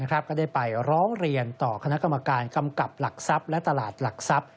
ก็ได้ไปร้องเรียนต่อคณะกรรมการกำกับหลักทรัพย์และตลาดหลักทรัพย์